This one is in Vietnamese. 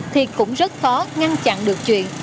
thì cũng rất khó ngăn chặn được chuyện